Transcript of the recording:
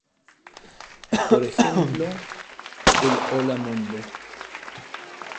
Por ejemplo, el "Hola, mundo!